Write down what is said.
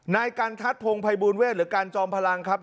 นายกันทัศนพงศัยบูลเวศหรือการจอมพลังครับ